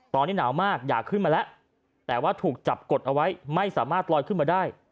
ตอนนี้หนาวมากอยากขึ้นมาแล้วแต่ว่าถูกจับกดเอาไว้ไม่สามารถลอยขึ้นมาได้